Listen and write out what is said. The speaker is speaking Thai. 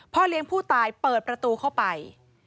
เลี้ยงผู้ตายเปิดประตูเข้าไป